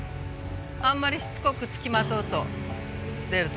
あんまりしつこくつきまとうと出るとこへ出るわよ。